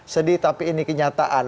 sedih tapi ini kenyataan